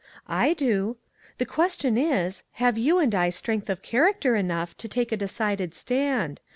I do. The question is, have you and I strength of character enough to take a decided stand.